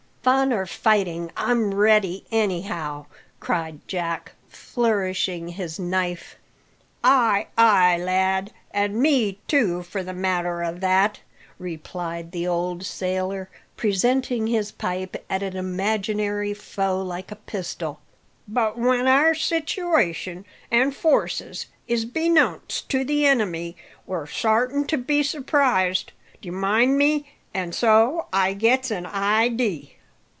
"Fun or fighting, I'm ready, anyhow!" cried Jack, flourishing his knife. "Ay, ay, lad; an' me, too, for the matter o' that," replied the old sailor, presenting his pipe at an imaginary foe like a pistol; "but when our situation an' forces is beknownst to the enemy, we're sartin to be surprised, d'ye mind me. An' so I gets an idee!